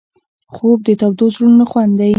خوب د تودو زړونو خوند دی